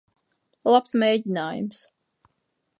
Labs mēģinājums.